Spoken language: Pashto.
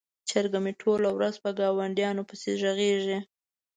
چرګه مې ټوله ورځ په ګاونډیانو پسې غږیږي.